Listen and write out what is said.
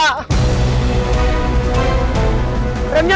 bapak ngebut ya